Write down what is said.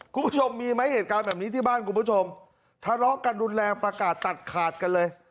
คุณผู้ชมมีไหมเหตุการณ์แบบนี้ที่บ้านคุณผู้ชมทะเลาะกันรุนแรงประกาศตัดขาดกันเลย